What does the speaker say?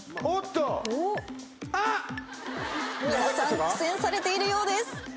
おっと⁉皆さん苦戦されているようです。